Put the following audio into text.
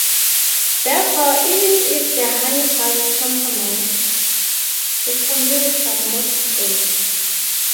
Therefore, even if the honeypot is compromised, it can be restored more quickly.